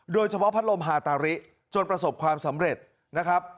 โดยเฉพาะพัดลมฮาตาริจนประสบความสำเร็จนะครับ